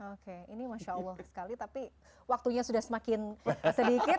oke ini masya allah sekali tapi waktunya sudah semakin sedikit